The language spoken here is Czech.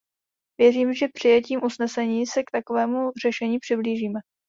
Věřím, že přijetím usnesení se k takovému řešení přiblížíme.